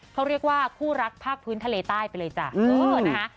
เขาเรียกว่าคู่รักภาคพื้นทะเลใต้ไปเลยจ้ะนะคะ